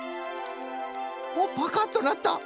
おっパカッとなった。